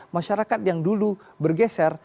masyarakat yang dulu bergeser